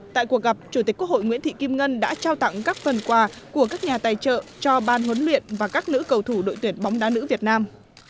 tại cuộc gặp chủ tịch quốc hội nguyễn thị kim ngân đã trao tặng các phần quà của các nhà tài trợ cho ban huấn luyện và các nữ cầu thủ đội tuyển bóng đá nữ việt nam